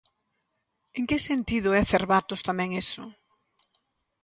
En que sentido é Cervatos tamén iso?